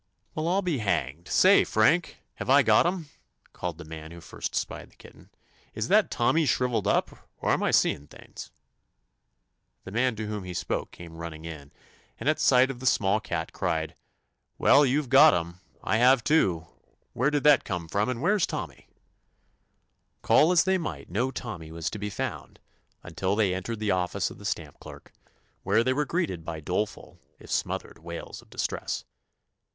"Well, I'll be hanged! Say, Frank, have I got 'em?" called the man who first spied the kitten. "Is that Tommy shrivelled up, or am I seeing things'?" The man to whom he spoke came running in, and at sight of the small 126 TOMMY POSTOFFICE cat cried: "Well, if you 've got 'em, I have too. Where did that come from, and where 's Tommy ^" Call as they might no Tommy was to be found until they entered the office of the stamp clerk, where they were greeted by doleful, if smoth ered, wails of distress.